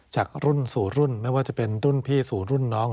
จากรุ่นสู่รุ่นไม่ว่าจะเป็นรุ่นพี่สู่รุ่นน้อง